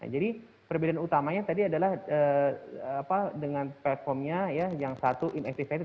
jadi perbedaan utamanya tadi adalah dengan platformnya yang satu inactivated